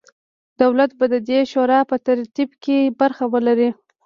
دولت به د دې شورا په ترتیب کې برخه ولري.